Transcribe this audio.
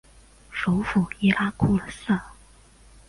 首府锡拉库萨。